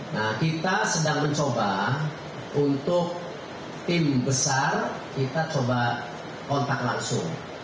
nah kita sedang mencoba untuk tim besar kita coba kontak langsung